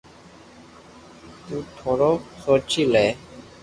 تو ٿورو سوچي لي